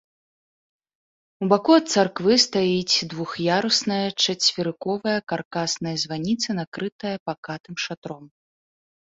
У баку ад царквы стаіць двух'ярусная чацверыковая каркасная званіца, накрытая пакатым шатром.